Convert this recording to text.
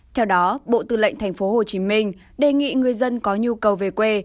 theo đó bộ tư lệnh thành phố hồ chí minh đề nghị người dân có nhu cầu về quê